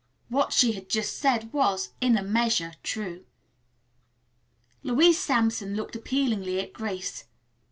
What she had just said was, in a measure, true. Louise Sampson looked appealingly at Grace.